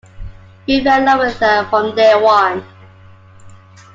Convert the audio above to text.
We fell in love with her from day one.